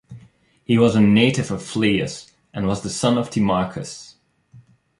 He was a native of Phlius, and was the son of Timarchus.